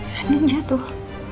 mbak nin jatuh